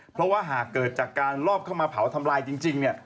เพราะว่าหากเกิดจากการลอบเข้ามาเผาทำลายจริงเนี่ย